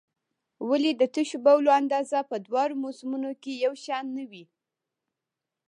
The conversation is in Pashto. ولې د تشو بولو اندازه په دواړو موسمونو کې یو شان نه وي؟